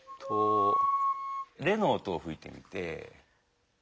レの音をふいてみて。